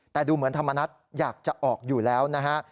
แต่ดูเหมือนธรรมนัฐอยากจะออกอยู่แล้วนะฮะ